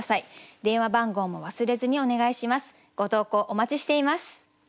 お待ちしています。